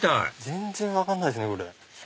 全然分かんないですね。